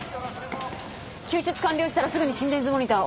救出完了したらすぐに心電図モニターを。